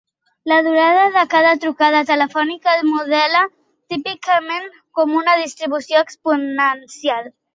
La durada de cada trucada telefònica es modela típicament com una distribució exponencial.